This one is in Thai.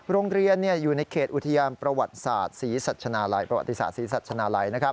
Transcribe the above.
โรงเรียนอยู่ในเขตอุทิยามประวัติศาสตร์ศรีสัชนาลัย